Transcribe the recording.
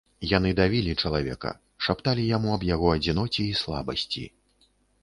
Яны давілі чалавека, шапталі яму аб яго адзіноце і слабасці.